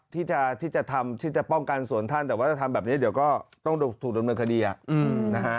ที่จะทำที่จะป้องกันสวนท่านแต่ว่าถ้าทำแบบนี้เดี๋ยวก็ต้องถูกดำเนินคดีนะฮะ